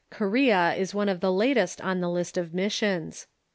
Korea is one of the latest on the list of missions.